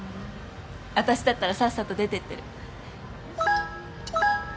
あたしだったらさっさと出てってる。